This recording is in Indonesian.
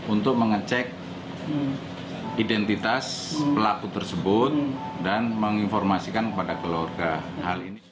untuk mengecek identitas pelaku tersebut dan menginformasikan kepada keluarga hal ini